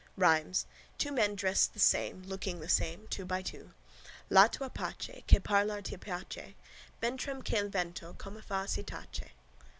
Rhymes: two men dressed the same, looking the same, two by two. ........................ la tua pace .................. che parlar ti piace Mentre che il vento, come fa, si tace.